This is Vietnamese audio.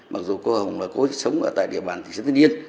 mặc dù cô hồng là cô sống ở tại địa bàn thiên nhiên